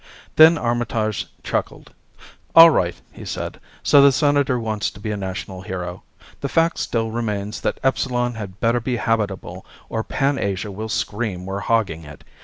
Then Armitage chuckled. "All right," he said. "So the Senator wants to be a national hero. The fact still remains that Epsilon had better be habitable or Pan Asia will scream we're hogging it.